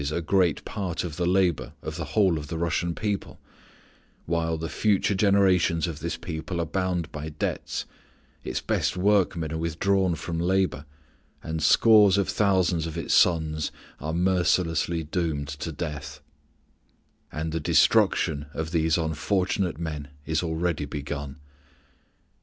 _ a great part of the labor of the whole of the Russian people, while the future generations of this people are bound by debts, its best workmen are withdrawn from labor, and scores of thousands of its sons are mercilessly doomed to death; and the destruction of these unfortunate men is already begun.